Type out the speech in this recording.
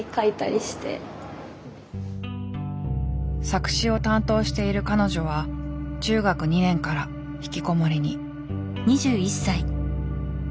作詞を担当している彼女は中学２年から引きこもりに。